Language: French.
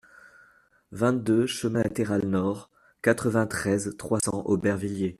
vingt-deux chemin Latéral Nord, quatre-vingt-treize, trois cents, Aubervilliers